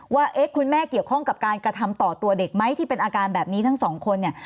ว่าเอ๊ะคุณแม่เกี่ยวข้องกับการกระทำต่อตัวเด็กไหมที่เป็นอาการแบบนี้ทั้งสองคนเนี่ย